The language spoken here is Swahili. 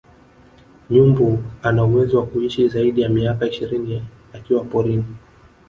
Nyumbu anauwezo wa kuishi zaidi ya miaka ishirini akiwa porini